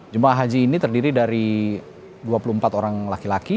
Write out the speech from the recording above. jemaah haji ini terdiri dari dua puluh empat orang laki laki